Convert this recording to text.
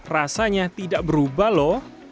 rasanya tidak berubah lho